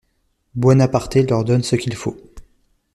Buonaparté leur donne ce qu'il faut.